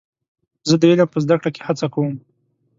زه د علم په زده کړه کې هڅه کوم.